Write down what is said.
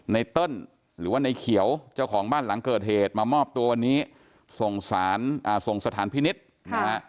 เติ้ลหรือว่าในเขียวเจ้าของบ้านหลังเกิดเหตุมามอบตัววันนี้ส่งสารส่งสถานพินิษฐ์นะฮะ